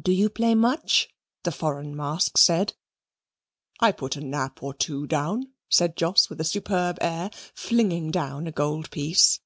"Do you play much?" the foreign mask said. "I put a Nap or two down," said Jos with a superb air, flinging down a gold piece.